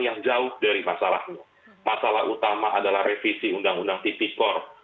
yang jauh dari masalahnya masalah utama adalah revisi undang undang tipikor